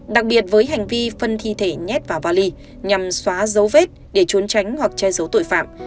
đặc biệt với hành vi phân thi thể nhét vào vali nhằm xóa dấu vết để trốn tránh hoặc che giấu tội phạm